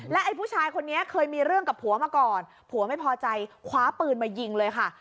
ไอ้ผู้ชายคนนี้เคยมีเรื่องกับผัวมาก่อนผัวไม่พอใจคว้าปืนมายิงเลยค่ะ